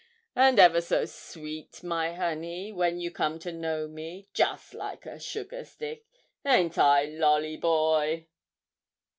and ever so sweet, my honey, when you come to know me, just like a sugarstick; ain't I, Lolly, boy?'